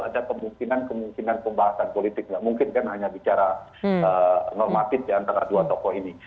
ada kemungkinan kemungkinan pembahasan politik nggak mungkin kan hanya bicara normatif ya antara dua tokoh ini